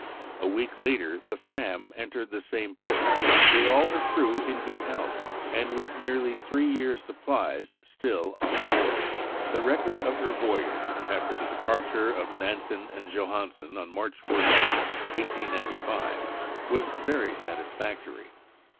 A week later the Fram entered the same port, with all her crew in good health, and with nearly three years' supplies still on board. The record of her voyage, after the departure of Nansen and Johansen on March 14, 1895, was very satisfactory.